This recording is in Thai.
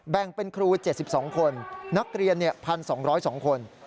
แบ่งเป็นครู๗๒คนนักเรียน๑๒๐๒คน